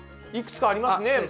いくつかありますね。